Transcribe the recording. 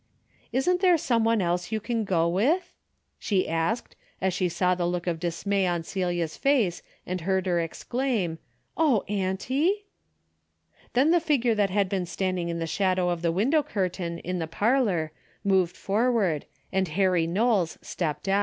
Isn't there some one else you can go with ?" she asked, as she saw the look of dismay on Celia's face and heard her exclaim, " Oh auntie !" Then the figure that had been standing in the shadow of the window curtain in the par lor moved forward and Harry Knowles stepped out.